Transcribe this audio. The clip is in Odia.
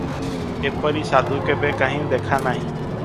ଏପରି ସାଧୁ କେବେ କାହିଁ ଦେଖା ନାହିଁ ।